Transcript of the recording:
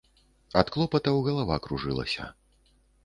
Ад клопатаў галава кружылася.